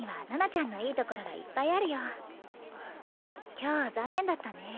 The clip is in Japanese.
今日残念だったね。